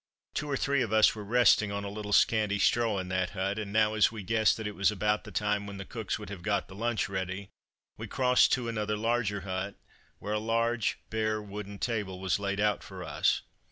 Two or three of us were resting on a little scanty straw in that hut, and now, as we guessed that it was about the time when the cooks would have got the lunch ready, we crossed to another larger hut, where a long bare wooden table was laid out for us.